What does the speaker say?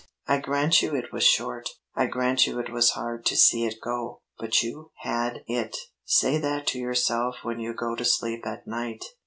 I grant you it was short. I grant you it was hard to see it go. But you had it! Say that to yourself when you go to sleep at night.